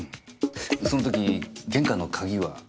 その時玄関の鍵は？